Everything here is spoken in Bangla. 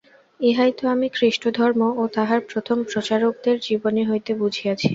ইহাই তো আমি খ্রীষ্টধর্ম ও তাহার প্রথম প্রচারকদের জীবনী হইতে বুঝিয়াছি।